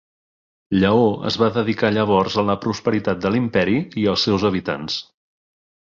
Lleó es va dedicar llavors a la prosperitat de l'imperi i els seus habitants.